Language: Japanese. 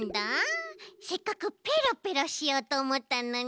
せっかくペロペロしようとおもったのに。